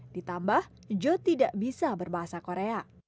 ditambah joe tidak bisa berbahasa korea